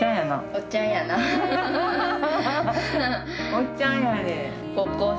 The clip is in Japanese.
おっちゃんやねん。